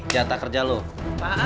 untuk persimp fan